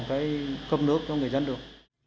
cái cấp nước cho người dân được